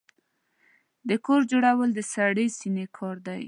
د کور جوړول د سړې سينې کار دی.